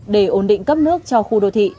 để ổn định cấp nước cho khu đô thị